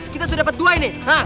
kita sudah dapat dua ini